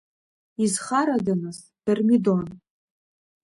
Изхарада нас, Дармидон…